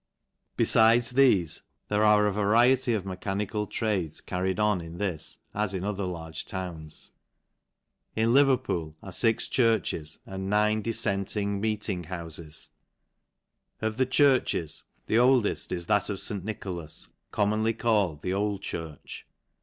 : Befides thefe, there are a variety of mechanical tides carried on in this as in other large towns. In Leverpool are fix churches and nine diffenting feting houfes. Of the churches, the oldeft is ♦ at of St. Nicholas, commonly called the Old i'urch.